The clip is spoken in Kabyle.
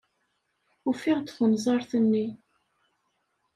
Ufiɣ-d tunẓart-nni.